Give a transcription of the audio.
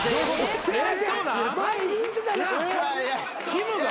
きむが？